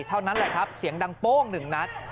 เท่านั้นแหละครับเสียงดังโป้งหนึ่งนัด